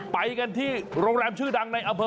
ไปกันที่โรงแรมชื่อดังในอำเภอ